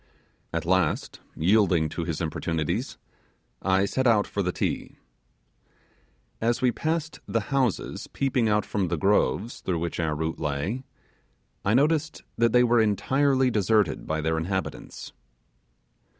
At last, yielding to his importunities, I set out for the Ti. As we passed the houses peeping out from the groves through which our route lay, I noticed that they were entirely deserted by their inhabitants.